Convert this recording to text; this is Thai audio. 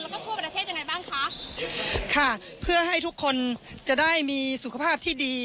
แล้วก็ทั่วประเทศยังไงบ้างคะค่ะเพื่อให้ทุกคนจะได้มีสุขภาพที่ดี